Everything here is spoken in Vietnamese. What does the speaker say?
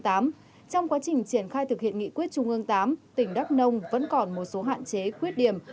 trong quá trình triển khai thực hiện nghị quyết trung ương viii tỉnh đắk nông vẫn còn một số hạn chế khuyết điểm